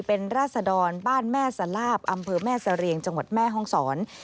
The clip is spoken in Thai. เป็นราศดรบ้านแม่สลาบอำเภอแม่เสรียงจังหวัดแม่ห้องศร